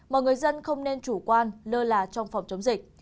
mà người dân không nên chủ quan lơ là trong phòng chống dịch